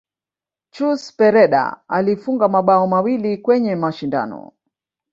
Chus pereda alifunga mabao mawili kwenye mashindano